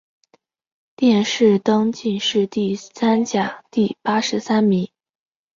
殿试登进士第三甲第八十三名。